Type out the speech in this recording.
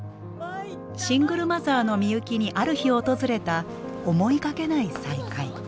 シングルマザーのミユキにある日訪れた思いがけない再会。